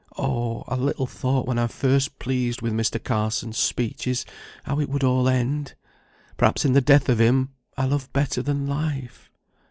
Oh! I little thought when I was first pleased with Mr. Carson's speeches, how it would all end; perhaps in the death of him I love better than life."